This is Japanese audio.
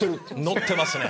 乗ってますね。